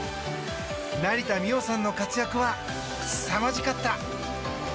成田実生さんの活躍はすさまじかった！